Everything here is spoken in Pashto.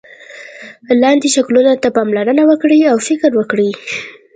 لاندې شکلونو ته پاملرنه وکړئ او فکر وکړئ.